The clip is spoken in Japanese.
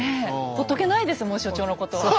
ほっとけないですもん所長のことは。